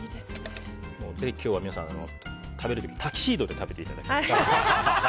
ぜひ今日は、皆さん食べる時タキシードで食べていただきたい。